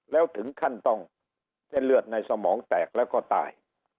แล้วถึงขั้นต้องเส้นเลือดในสมองแตกแล้วก็ตาย